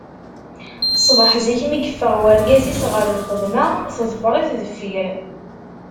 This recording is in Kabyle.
Ṣṣbeḥ zik mi yeffeɣ urgaz-is ɣer lxedma, teḍfer-it deffir.